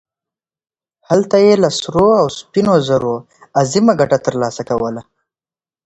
هلته یې له سرو او سپینو زرو عظیمه ګټه ترلاسه کوله.